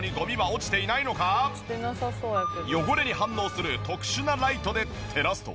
だが本当に汚れに反応する特殊なライトで照らすと。